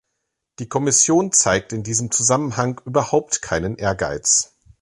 Die Kommission zeigt in diesem Zusammenhang überhaupt keinen Ehrgeiz.